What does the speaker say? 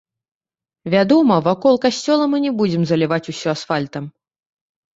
Вядома, вакол касцёла мы не будзем заліваць усё асфальтам.